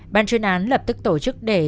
ban chuyên án lập tức tổ chức để